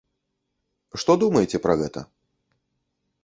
Што думаеце пра гэта?